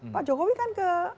pak jokowi kan ke